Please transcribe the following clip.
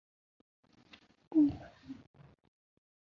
短鞭亚热溪蟹为溪蟹科亚热溪蟹属的动物。